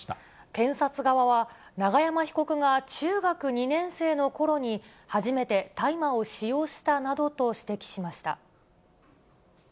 検察側は、永山被告が中学２年生のころに、初めて大麻を使用したなどと指摘しました。